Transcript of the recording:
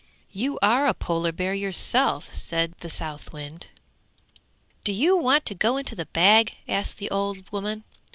'You are a polar bear yourself!' said the Southwind. 'Do you want to go into the bag?' asked the old woman.